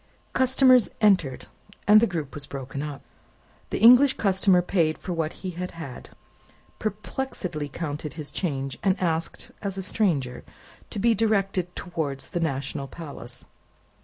Customers entered, and the group was broken up. The English customer paid for what he had had, perplexedly counted his change, and asked, as a stranger, to be directed towards the National Palace.